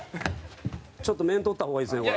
ちょっと面取った方がいいですね。